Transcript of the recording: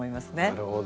なるほど。